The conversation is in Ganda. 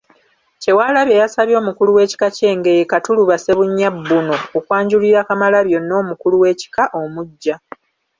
Kyewalabye yasabye omukulu w’ekika ky’Engeye Katuluba Ssebunya Bbuno, okwanjulira Kamalabyonna omukulu w’ekika omuggya.